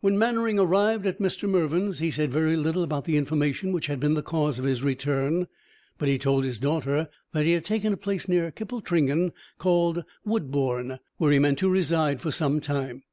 When Mannering arrived at Mr. Mervyn's, he said very little about the information which had been the cause of his return; but he told his daughter that he had taken a place near Kippletringan, called Woodbourne, where he meant to reside for some time.